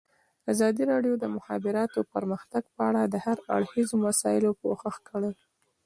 ازادي راډیو د د مخابراتو پرمختګ په اړه د هر اړخیزو مسایلو پوښښ کړی.